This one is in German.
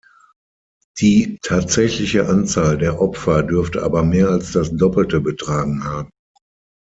Die tatsächliche Anzahl der Opfer dürfte aber mehr als das Doppelte betragen haben.